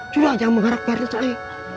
sudah jangan mengharap barnas saya